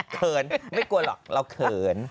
เขินไม่กลัวหรอกเราเขิน